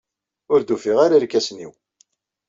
Ur d-ufiɣ ara irkasen-iw.